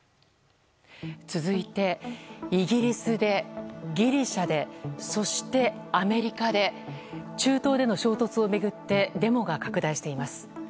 続いてイギリスで、ギリシャでそして、アメリカで中東での衝突を巡ってデモが拡大しています。